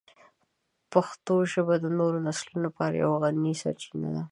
پښتو ژبه د نوو نسلونو لپاره یوه غني سرچینه ده.